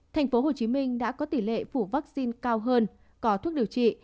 tp hcm đã có tỷ lệ phủ vaccine cao hơn có thuốc điều trị